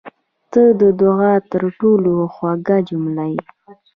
• ته د دعا تر ټولو خوږه جمله یې.